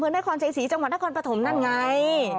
อเมืองนครใจศรีจังหวัดนครปฐมนั่นไง